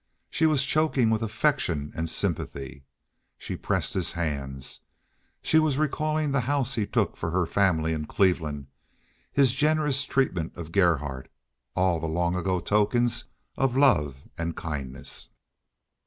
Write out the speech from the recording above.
She was choking with affection and sympathy. She pressed his hands. She was recalling the house he took for her family in Cleveland, his generous treatment of Gerhardt, all the long ago tokens of love and kindness.